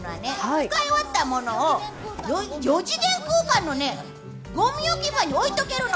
使い終わったものを四次元空間のゴミ置き場に置いとけるの。